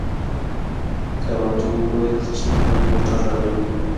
ګاونډي وویل چي نوی موټر راغلی دی.